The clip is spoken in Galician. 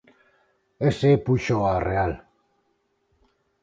Ese púxoo a Real.